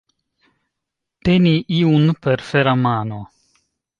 Teni iun per fera mano.